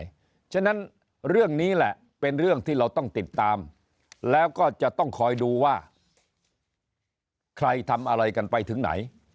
เพราะฉะนั้นเรื่องนี้แหละเป็นเรื่องที่เราต้องติดตามแล้วก็จะต้องคอยดูว่าใครทำอะไรกันไปถึงไหน